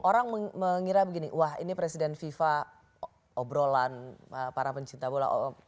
orang mengira begini wah ini presiden fifa obrolan para pencinta bola